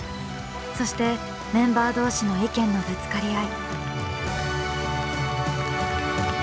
そしてメンバー同士の意見のぶつかり合い。